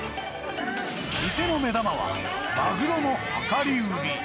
店の目玉は、マグロの量り売り。